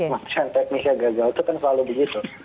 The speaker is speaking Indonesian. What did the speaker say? maksudnya teknisnya gagal itu kan selalu begitu